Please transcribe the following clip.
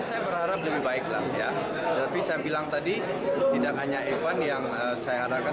saya berharap lebih baik lah ya tapi saya bilang tadi tidak hanya evan yang saya harapkan